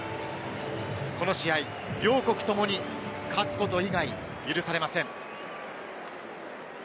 この試合、両国ともに勝つこと以外、許されません。